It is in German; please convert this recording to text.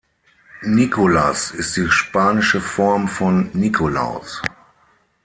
Nicolás ist die spanische Form von Nikolaus.